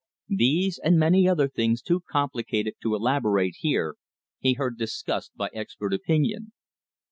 These, and many other things too complicated to elaborate here, he heard discussed by expert opinion.